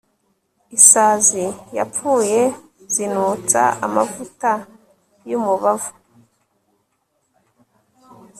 isazi zapfuye zinutsa amavuta y'umubavu